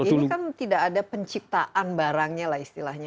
ini kan tidak ada penciptaan barangnya lah istilahnya